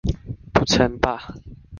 不稱霸